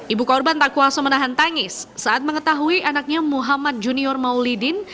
ibu korban tak kuasa menahan tangis saat mengetahui anaknya muhammad junior maulidin